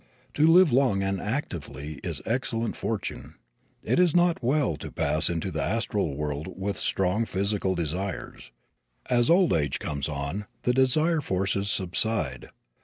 To live long and actively is excellent fortune. It is not well to pass into the astral world with strong physical desires. As old age comes on the desire forces subside.